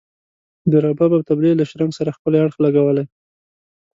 د رباب او طبلي له شرنګ سره ښکلی اړخ لګولی.